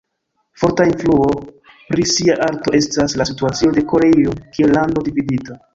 Forta influo pri sia arto estas la situacio de Koreio kiel lando dividita.